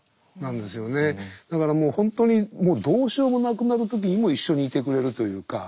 だからもう本当にどうしようもなくなる時にも一緒にいてくれるというか。